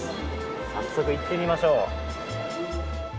早速行ってみましょう。